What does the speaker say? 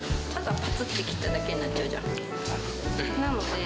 この状態だと、ただぱつって切っただけになっちゃうじゃん。